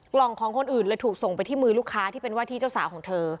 กล่องของคนอื่นเลยถูกส่งไปที่มือลูกค้าที่เป็นว่าที่เจ้าสาวของเธอ